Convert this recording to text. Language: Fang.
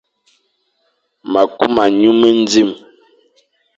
Ma a kuma nyu mendi,